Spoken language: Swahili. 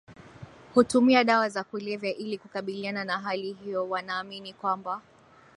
hutumia dawa za kulevya ili kukabiliana na hali hiyo Wanaamini kwamba